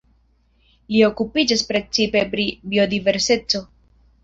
Li okupiĝas precipe pri biodiverseco.